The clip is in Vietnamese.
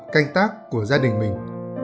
canh tác của gia đình mình